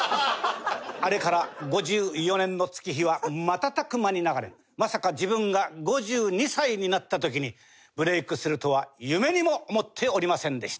あれから５４年の月日は瞬く間に流れまさか自分が５２歳になった時にブレイクするとは夢にも思っておりませんでした。